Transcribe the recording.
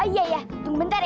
oh iya iya tunggu bentar ya